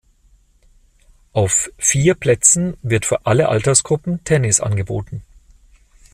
Auf vier Plätzen wird für alle Altersgruppen Tennis angeboten.